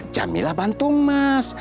jamilah bantu mas